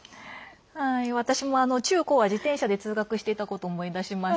私も中高は自転車で通学していたことを思い出しました。